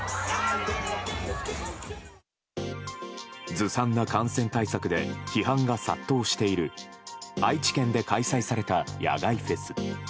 ずさんな感染対策で批判が殺到している愛知県で開催された野外フェス。